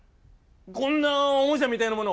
こんなおもちゃみたいなものを。